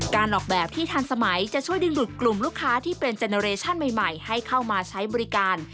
ออกแบบที่ทันสมัยจะช่วยดึงดูดกลุ่มลูกค้าที่เป็นเจเนอเรชั่นใหม่ให้เข้ามาใช้บริการ